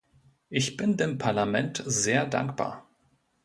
Ich bin dem Parlament sehr dankbar.